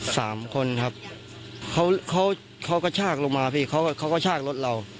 สี่คนครับสามคนครับเขาก็ชากลงมาพี่เขาก็ชากรถเรา